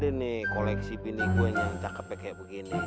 belum ada nih koleksi bini gue yang cakep kayak begini